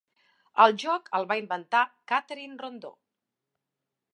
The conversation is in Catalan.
El joc el va inventar Catherine Rondeau.